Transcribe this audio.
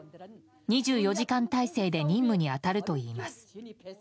２４時間態勢で任務に当たるといいます。